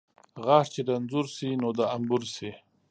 غاښ چې رنځور شي ، نور د انبور شي .